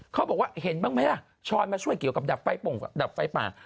เขาบอกว่าเห็นบ้างไหมช้อนมาช่วยเกี่ยวกับดับไฟดับไฟป่า